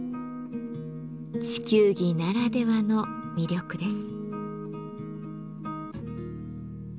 地球儀ならではの魅力です。